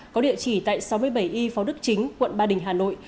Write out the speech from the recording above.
có địa chỉ tại sáu mươi bảy y phó đức chính quận ba đình hà nội